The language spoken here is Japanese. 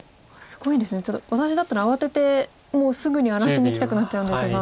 ちょっと私だったら慌ててもうすぐに荒らしにいきたくなっちゃうんですが。